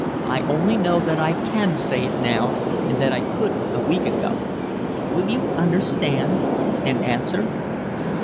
I only know that I can say it now, and that I couldn't a week ago. Will you understand and answer?"